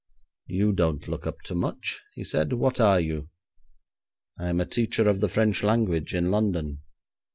'You don't look up to much,' he said. 'What are you?' 'I am a teacher of the French language in London.'